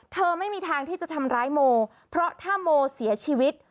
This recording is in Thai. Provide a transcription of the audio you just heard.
ไม่มีทางที่จะทำร้ายโมเพราะถ้าโมเสียชีวิต